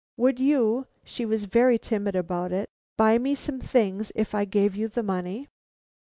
'Would you' she was very timid about it 'buy me some things if I gave you the money?'